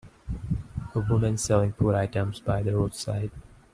A woman selling food items by the roadside.